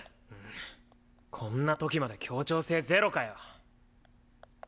こんな時まで協調性ゼロかよ。